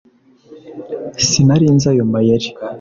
sinari nzi ayo mayeri.